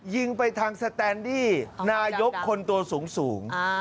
ยิงไปทางสแตนดี้นายกคนตัวสูง